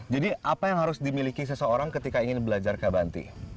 jadi apa yang harus dimiliki seseorang ketika ingin belajar kabanti